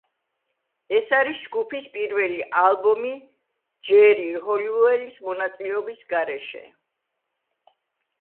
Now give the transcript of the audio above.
ეს არის ჯგუფის პირველი ალბომი ჯერი ჰოლიუელის მონაწილეობით გარეშე.